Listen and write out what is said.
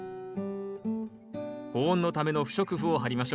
保温のための不織布を張りましょう。